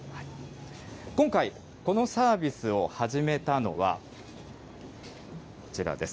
今回、このサービスを始めたのはこちらです。